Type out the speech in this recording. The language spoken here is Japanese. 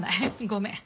ごめん。